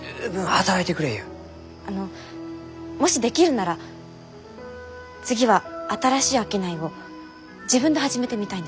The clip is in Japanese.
あのもしできるなら次は新しい商いを自分で始めてみたいんです。